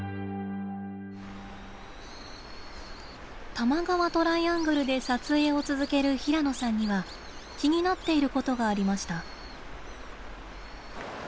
多摩川トライアングルで撮影を続ける平野さんには気になっていることがありました。